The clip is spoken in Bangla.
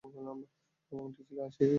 নবমটি ছিল আশীর-এর।